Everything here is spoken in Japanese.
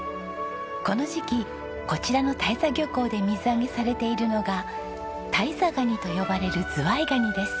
この時期こちらの間人漁港で水揚げされているのが間人ガニと呼ばれるズワイガニです。